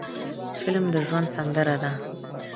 فلم د ژوند سندره ده